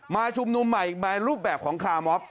มาชุมนุมใหม่มารูปแบบของคาร์มอค